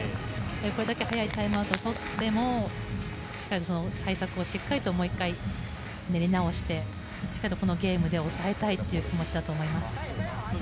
これだけ早いタイムアウトをとってもしっかりと対策をもう１回練り直してしっかりとこのゲームで抑えたいという気持ちだと思います。